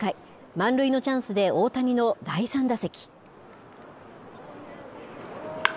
満塁のチャンスで、大谷の第３打席。